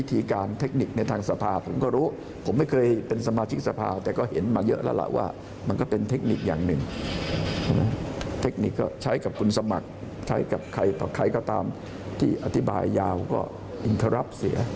ที่อธิบายยาวก็อินเทอรับเสีย